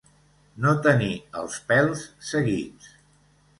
No tenir els pèls seguits.